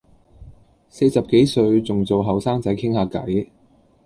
四十幾歲仲做後生仔傾吓偈